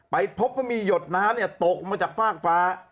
พบว่ามีหยดน้ำตกลงมาจากฟากฟ้า